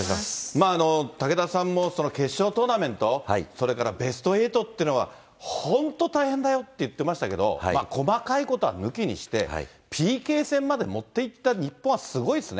武田さんも決勝トーナメント、それからベスト８ってのは、本当大変だよって言ってましたけど、細かいことは抜きにして、ＰＫ戦まで持っていった日本はすごいっすね。